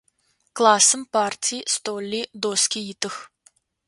Классым парти, столи, доски итых.